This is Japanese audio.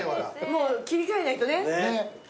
もう切り替えないとね。